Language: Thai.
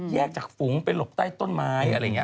จากฝูงไปหลบใต้ต้นไม้อะไรอย่างนี้